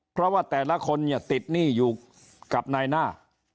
เพราะว่าแต่ละคนเนี่ยติดหนี้อยู่กับนายหน้า